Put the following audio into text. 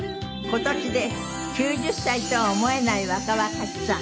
今年で９０歳とは思えない若々しさ。